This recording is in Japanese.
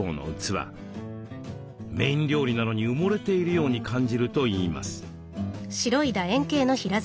メイン料理なのに埋もれているように感じるといいます。